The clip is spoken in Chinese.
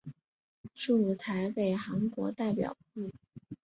驻台北韩国代表部。